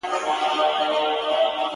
د لېوانو په څېر مخ په مخ ویدیږي-